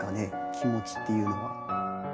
気持ちっていうのは。